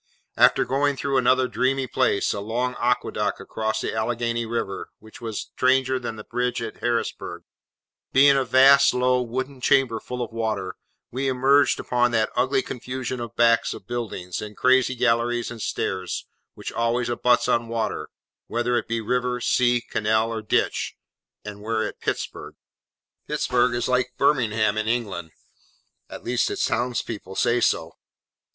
After going through another dreamy place—a long aqueduct across the Alleghany River, which was stranger than the bridge at Harrisburg, being a vast, low, wooden chamber full of water—we emerged upon that ugly confusion of backs of buildings and crazy galleries and stairs, which always abuts on water, whether it be river, sea, canal, or ditch: and were at Pittsburg. Pittsburg is like Birmingham in England; at least its townspeople say so.